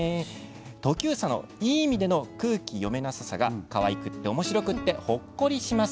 トキューサの、いい意味での空気の読めなささがかわいくておもしろくてほっこりします。